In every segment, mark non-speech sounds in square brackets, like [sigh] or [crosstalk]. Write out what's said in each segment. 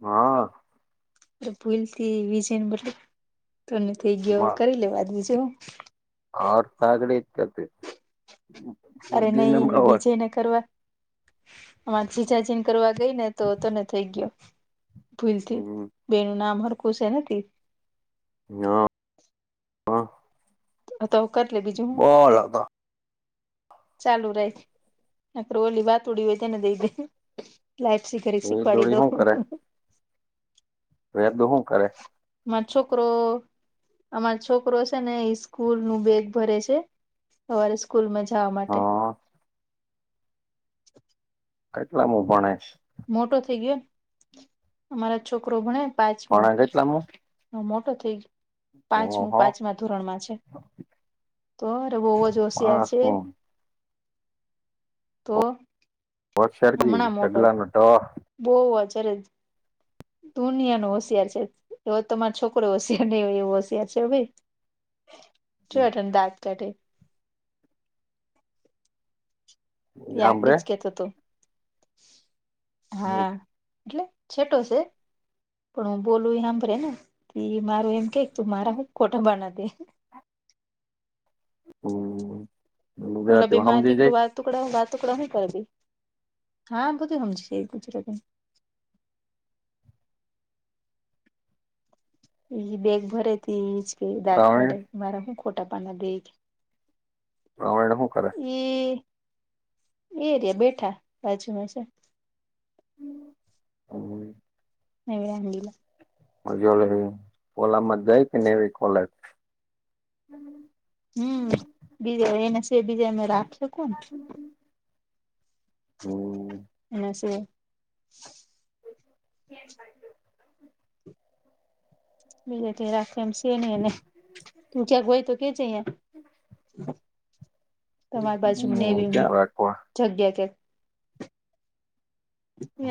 હા. ભૂલ થી વિજે ને બદલે તને થઈ ગયો કરી લેવા આજ બીજું આઠ સાગડ એક અરે નહી વિજયને કરવા અમાં જીજાજીને કરવા- કઈ ને તો તોને થઈ ગયો ભૂલથી બે નું નામ હરખું છે ને હા હ તો કર [unintelligible] લે બીજું હું ઓળ- ચાલુ રેય ઓલી વાત ઉડી હોય તેને દઈ દે લાઈટ સી કરીરી એ શીખવાડી દોડી દું- એ તો શું કરે [unintelligible] મા છોકરો અમાર છોકરો છે ને સ્કૂલ નું બેગ ભરે છે. સવારે સ્કૂલમાં જવા માટે હા કેટલા માં હું ભણે? મોટો થઈ ગયો અમારા છોકરો ભણે પાંચમો ભણે કેટલામું મોટો થઈ ગયો પાંચમું ઓહો પાંચમા ધોરણમાં છે. તો અરે બહ જ હોશિયાર છે. પાંચમું તો હોશારજ ચગલાનું ટો બહ અજારે જ દુનિયા નો હોશિયાર છે એ તમારા છોકરો હોશિયાર ન એવું હોશિયાર છે ભાઈ- છુંટને દાત ચાઢ એ સાંભળે આકડી જ કેતો તો હા એટલે છેટો છે. પણ હું બોલું આંભળે ને મારું એમ કે તું મારા હ ખોટાબના- હમમ ઓલા બે માર જજ દીકરો વાત ટુકડા હું વાતુકડા હું કરી હા બધી સમજી ગુજરાતી- ઈ બેગ ભરે ત એજ કે દાંત પ્રવીણ કાઢે મારા શું ખોટા પાના બેગ. રમાણ હું કરારે એ એરિયા બેઠા રાજુમાં છે. હમ, નવીલા મજ લ ઓલામાં જાય કે નનેવી કોલે હમ બીજા એને શ બીજા અમે રાખ્યો કોને હમ [unintelligible] એ છે. એ [inaudible] બીજા ત રાખે એમ છેે નહી એને તું ક્યાંક હોય તો કે છે. અ હમ [unintelligible] તમારી પાછુ મને એવી ક્યાં રાખવા જગ્યા કે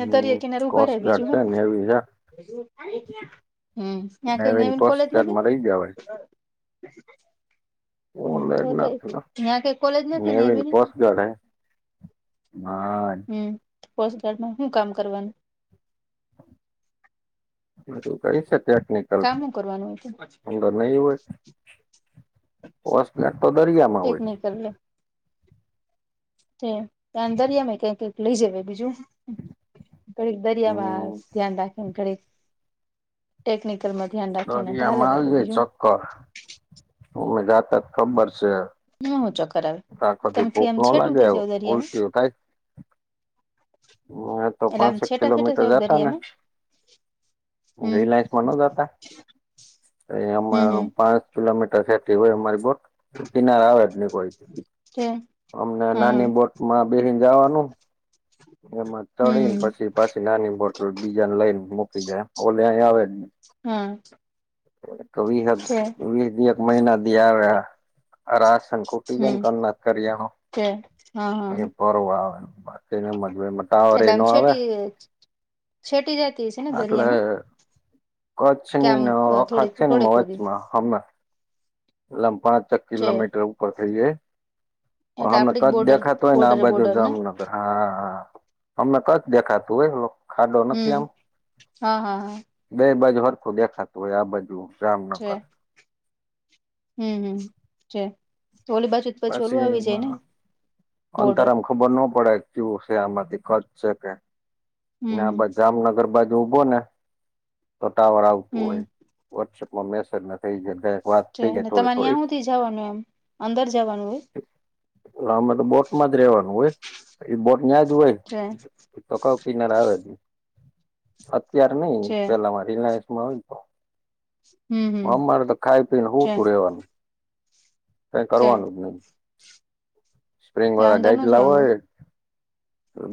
અહં દરિયા કિનારે ઉભા રહેે કોસ્ટ ગાર્ડ બીજું હ છે નેવી છે હમ -યા કઈ નેવી નવીન કોસ્ટ કોલેજ નથી? ગાર્ડમાં રહી ગયા હોય હમ તો ઓલેડ થઈ ત્યાં કઈ કોલેજ નથી ને એવી. ડ હ [unintelligible] હમ કોસ્ટગાર્ડમાં શું કામ કરવાનું? બધું કરી છેત્યાટ નક, કામ હું કરવાનું હોય અ તો નહી હોય. વસ્ટ્લેટ તો દરિયામાં એક હોય? નહી કરી ત દરિયા કઈ કઈક લઈ જ બીજું. ઘડીક દરિયામાં હમ ધ્યાન રાખે ઘડીક ટેકનિકલમાં ધ્યાન રાખીને હાલે કાઢું બીજું. કર હમે જાતા ખબર છે. આ હું ચક્કર આવે આખથી તમથી ભૂખ આમ ન લાગે છેટુંથી એ જાવ દરિયામાં ઉલટ થાય. હ એ તો એટલે આમ પાંસઠ છેટા છેટા કિલોમીટર જાવ જતા ને. દરિયામાં હમ રિલાયન્સમાં ન જતા, એ હમ હમ પા કિલોમીટર થ હોય અમારી બો કિનારા આવે કોઈ. છે અમને હા નાની બોટ માં બેસી જવાનું. એમાં ચળી ને હમ પછી પાછી નાની બોટલ બીજાને લઈને મૂકી જાય ઓલે અ આવે. હા કવષ છે દ [unintelligible] મહિના દ રહ અશ ખૂટી જાયને હમ કો કરી છે હા હા એ, હા બરો આવે. મજ ત એટલે આમ એનો આવે, છેટી છેટી જતી હશે ને એટલે દરિયામાં કે આમ કચ્છની વખત થોડીક છે ને થોડીક સુધી મોચમાં હમે. લંપાણા ચક છે કિલોમીટર ઉપર થઈ. એટલે અમે આપડી કચ જ બોર્ડર દેખા તો હોય ને આ બોર્ડરે બાજુ બોર્ડર ને જામનગર હા. અમને ક જ દેખાતું એ ખાડો નથી હમ આમ. હા હા હા બે બાજુ હર ખોડ્યા ખાતું હોય આ બાજુ. જામનગર છે હમ હમ છે, તો ઓ બસ ચોલું આવી પછી જાય ને, અંતર બોર્ડર. આમ ખબર ન પડે કેવું છે આમાં દીકત છે કે, હમ આ જામનગર બાજુ ડભો ને, તો ટાવર આવતું હમ હોય વોટ્સઅપમાં મેસેજ ના થઈ જ. તમારે ત્યાં સુુંધથી જવાનું એમ અંદર જવાનું હોય? અમે તો બોટમાં જ રેવાનું હોય, એ બોટ ન્યા જ હોય. હ [unintelligible] તો કઉ કિનારે આવે, દ અત્યાર નઈ છે પેલા મારી હમ હમ અરે તો ખાઈ પીને હું છે તું રેવાનું. કઈ છે કરવાનું જ નહી, સ્પ્રિંગ ત્યાં વાળા અંદર ગાઈડ ન જવાનું લાવવાય.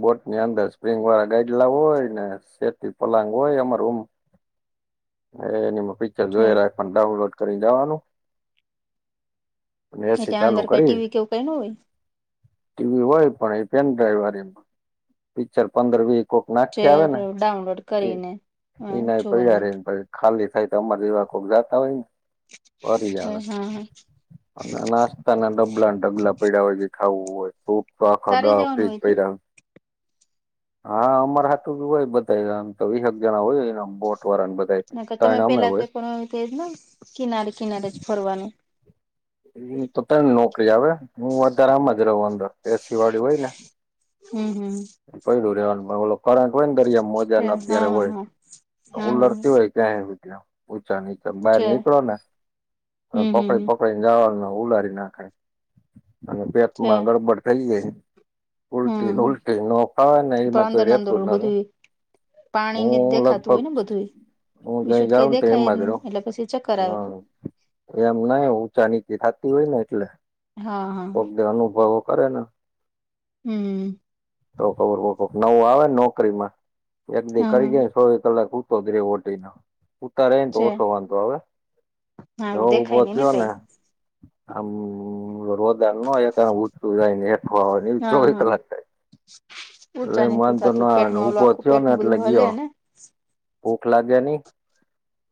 બોટ ની અંદર સ્પ્રિંગ વાળા ગાઈડ લાવવો હોય ને. સેત પલાંગ હોય અમર એ નિ પ ચ જો છે એ ફડ ડાઉનલોડ કરી જવાનું. એટલે ચાલુ અંદર કઈ કરી ટીવી કેવું કઈ ન હોય? ટીવી હોય પણ એ પેનડ્રાઈવ વાળ, પિક્ચર પંદર વીસ કોક જે નાખી આવે ને આપડે ડાઉનલોડ એ, કરીને હા ના પડ જોવાનું રને પડ. ખાલી થાય તો અમારા દવા કોક જાતા હોય ફરી જ છે આવે. હા હા અને નાસ્તા ના ડબલા ડબલા પડ્યા હોય જે ખાવું હોય તો. શ ખા તારે દા જવાનું ફ્રીજ હોય તે પૈરા. હા અમાર હાથું હોય બધામ તો વિસક જણા હોયયને બોટ વાળા બધા. ના તમે ત્રણ અમે પેલા તો હોય પણજ ને કિનારે કિનારે જ ફરવાનું. એ તો તને નોકરી આવે હું વધારે આમ જ રહું અંદર એસી વાળી હોય ને. હમ હમ. પેલું રેવાનું પણ ઓલો કરંટ હોય ને દરિયામાં મોજા છે ને હા અત્યારે હા હોય, હા હા કુલર હા થી હોય. ક્યાંય વીચા નીચા બહાર છે નીકળો ને, હમ હમ પકડીક હમ આપ જવાનું ઉલારી નાખે, અને પેટ છે માં ગડબડ થઈ જાય. હમ ઉલ્ટીન હમ ઉલ્ટી નકા નઈ મ અંદર રેપપુર ન. બધું પાણી ને હું દેખાતું હોય લગભગ ને બધું એ. હું કઈ જાઉને તો એમ બાદડો પછી ચક્કર આવે હ. એમ નાહી ઊંચા નીચી થાતી હોય ને એટલે હા હા પતે અનુભવો કરે ને હમ. તો ખબર નવું આવે ને નોકરીમાં, એક દી હા કરી હા ગય. છ કલાક ઉતોધ રે વટનો. ઉતારને તો છે ઓછો વાંધો હવે હા ઉભો દેખાય નઈ થયો કઈ ને આમ રોદાર ને એ તા ઉચુ જાય નેઠ એ હા ચોવીસ હા કલાક થાય. એટલે ઊંચા નીચું મનતો ન થતું આવેને પેટમાં ઓલું ઊભો આખું થયો ને પેટનું એટલે બધું હલે ગયો ને ભૂખ લાગે નહી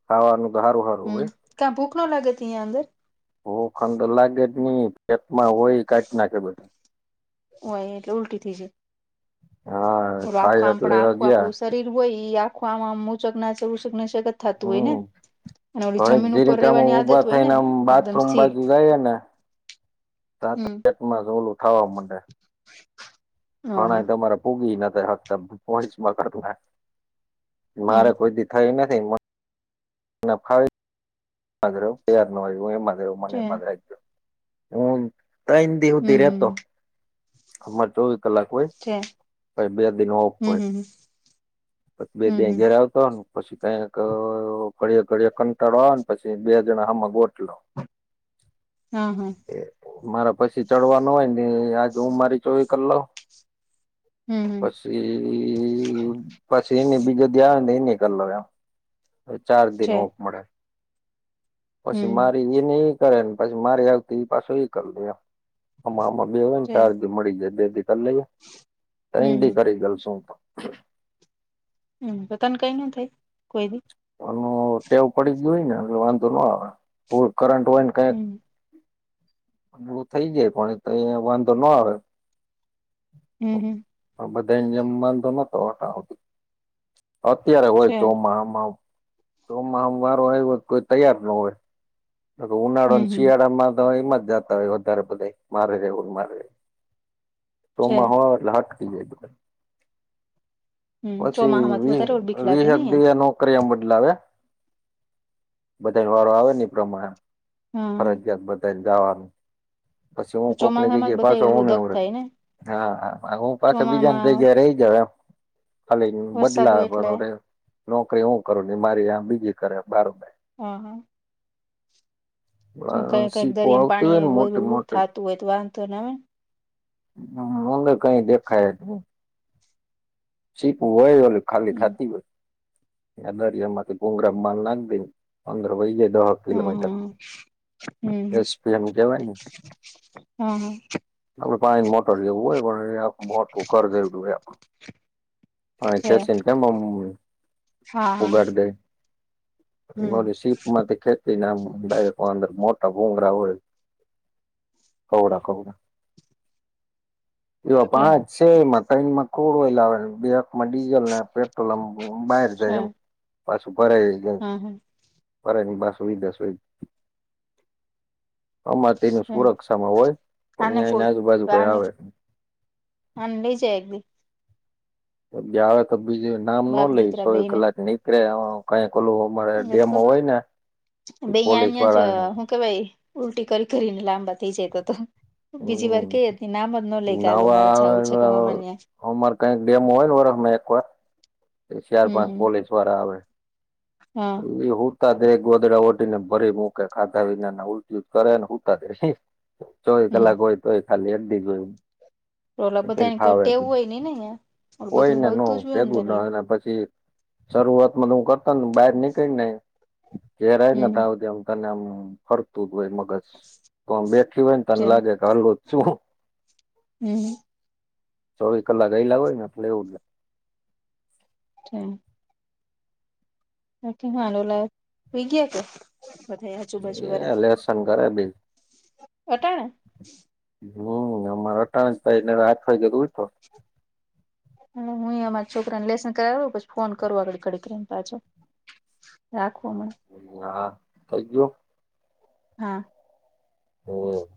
ખાવાનું તો સારું સારું હમ હોય. ક્યાં ભૂખ નો લાગે અહીંયા અંદર? ઓ ખંડ લાગે જ નહી પેપમાં હોય કાઢ નાખે બધું. ઓ અહી એટલે ઉલટી થઈ જાય. હા. આખમ ખાય એટલે આપણા આખું ગયા આપડું શરીર હોય ઈ આખું આમ મૂચક ના થતું હોય ને? હમ અને ઓલી થોડીક જમીન જે ઉપર રીતે અમે રહેેવાની આદત ઊભા હોય ને થઈને આમ એકદમ બાથરૂમ સ્થિર બાજુ જાઈને તા પેતમાસ ઓલું થાવા મડે. હ ઘણાય તમારે પૂગી નતા હકતા પોચમાં કરતા, હમ મારે કોઈ દી થઈ નથી. નાફાય. માધ પયાર નવું એમ માધર છે મને મદર, હું તન દી હુધી હમ હમ રેતો અમારે ચોવીસ કલાક હોય. છે પહી બે દિન હોક હમ હોય હમ બે દિ હમ હમ ઘેર આવ તો પછી કઈક ઘડયે ઘળયે કંટાળવા પછી બે જણા હામક બોટલો. હમ્મ, હમ્મ. એ મારા પછી ચડવાનું હોય ને આજ હું મારી ચોવી કરલવ. હમ્મ. ઈ પછી એને બીજો ધ્યા નક લ્યા. એટ ચાર દિન છે ઓક મળે. પછી હમ મારી એની ઈ કરે ને પછી મારી આવતી એ પાછું એ કરી દે એમ. આમાં આમા બે હોમ છે સારધી મળી જાય બેથી કરી હમ લઈથી હમ કરી ગેલશુ. હમ્મ, પોતાને કઈ ન થઈ? ટેવ પડી ગય હોય ને એટ વાંધો ના આવે પૂ કરંટ હોય ક હમ થઈ જાય પણ તો એ વાંધો ના આવે. હમ્મ હમ્મ. પણ બધા જેમ બાંધો નતો આવતી, અત્યારે હોય છે ચોમાસામાં તો મામ વારો હોય હો કોઈ તૈયાર નો હોય. હમ ઉનાળો અને હમ શિયાળામાં તો એમાં જત વધારે બધે મારે દે મારે છે સોમમાં હો એટલે હાક [inaudible] હમ પછી ચોમાહામાં તો વધારે બીક લાગે ને વીરક દી એનો. કિયામ બદલાવે બધા વારો આવે ની પ્રમાણે. હા ફરજિયાત બધા જવાની, પછી હું કોકની ચોમાસામાં જે જ પાછો બધા હું ઓલું દગ નનેવ રે થાય ને હા હા હું પાસે બીજાને જ ચોમામાં રહી જાવ એમ. ખાલી વરસાદ બદલા હોય એટલે બદે નોકરી હું કરું ને મારી આ બીજી કરે બારું બેાઈ. હા. શું કઈ કઈક સીપો દરિયામાં આવતી હોય પાણી ને મોટી બધું મોટી. થતું હોય તો વાંધો ના આવે હમ્મ, મને કઈ દેખાય જ ની. સીપું હોય એ ખાલી હમ થતી હોય. દરિયા માંથી ગુંગરા માલ નાખ દે ને અંદર વહી જે દહ કિલોમીટર હા હમ એસ પી એમ કેવાય ને. હમ્મ. આપડે પાણી મોટર લેવું હોય પણ એ મોટું કર દેવું હોય આપડું. હા છે કેસને કે અમ્મા હા હા ઉબર દે. હમ મોરી સીપ માંથી ખેતી નાયકો અંદર મોટા ભુંંગરા હોય. [unintelligible] એવા પાંચ છે એમાં મકાઈ ને મકોડો લાવે બે માં ડીઝલ ને પેટ્રોલ આમ બહાર છે જાય એમ પાછું ભરાય જ ગાય. હા હા ફરે ની બસ સુઈ દ સુઈ આમાં તેની છે સુરક્ષામાં હોય પણ આને ત્યાં કો એની આજુબાજુ કઈ આવે. અંદડી જ એક દિન. જવે તો બીજું નામ નો બાપ લઈ દીકરા સો એ બેઈને કલાક નીકળે આમ આમ કઈ કોળુ મળે તેમ હોય ને પોલીસ વાળા કે ભાઈ ઉલટી કરી કરીને લાંબા થઇ જાય તો તો. બીજી વાર હમ કઈ હતી નામ જ ન લઈ કાલે મારે જાવું છે કા મામા ને. હમારે કઈક ડેમો હોય ને વરસમાં એક વાર ચાર હમ પાંચ હમ પોલીસ વાળા આવે. હા એ હુંતા દે ગોદડા ઓટી ને ભરી મૂકે ખાધા વિના ને ઉલટી કરે ને હું કરે. ચોવીસ હમ કલાક હોય તોય ખાલી એકધી જ હોય. ઓલા ને કઈ બધાને કોઈ ફાવે ટેવું તું હોય નઈ ને ન્યા ઓલું બધું કોઈને નો હલતું જ હોય ભેગું અંદર ના ન્યા એના પછી શરૂઆત માં તો હું કરતા ને બહાર નીકળીને ઘેરયને ત હમ આવ ત્યા તને આમ ફરતું જ હોય મગજ તો બેઠી હોય ને તને છે લાગે કે હાલુ છું. હમ્મ હામ. ચોવીસ કલાક એઈલા હોય ને એટલે એવું થાય. [unintelligible] [unintelligible] હુઈ ગયા કે. બધા એ હજુબજુ એ વારા લેસન કરે બેય વટાણ. હમ્મ ને અમારા ત્યાજ થાયને રાત ભર જગ ઉજ પડે. [inaudible] હા હું અહીંયા અમારા છોકરા ને લેસન કરાવુ પછી ફોન કરું આગળ ઘડીકડીને પાછો. રાખવા મને. હા થઈ ગયો. હા. હમ્મ.